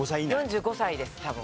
４５歳です多分。